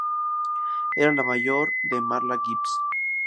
Era la hermana mayor de Marla Gibbs.